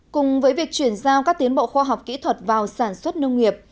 cùng với việc chuyển giao các tiến bộ khoa học kỹ thuật vào sản xuất nông nghiệp